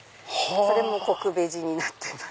それもこくベジになってます。